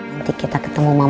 nanti kita ketemu mama